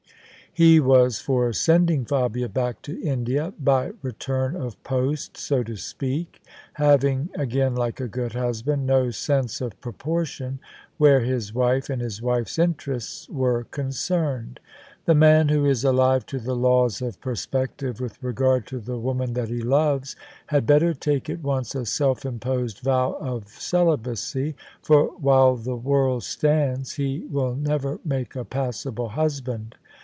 He was for sending Fabia back to India by return of post, so to speak, having (again like a good husband) no sense of proportion where his wife and his wife's interests were concerned. The man who is alive to the laws of perspective with regard to the woman that he loves, had better take at once a self imposed vow of celibacy: for while the world stands he will never make a passable husband.